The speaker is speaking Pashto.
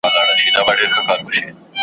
خپله دي هم مټي جوړېدلو ته را نغښتي